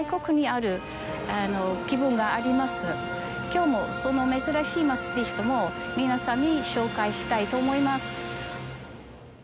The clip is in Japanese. きょうも、その珍しいマーストリヒトを皆さんに紹介したいと思います。